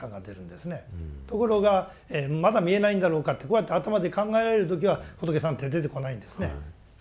ところがまだ見えないんだろうかってこうやって頭で考えられる時は仏さんって出てこないんですね。